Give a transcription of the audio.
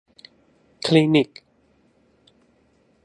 คลินิก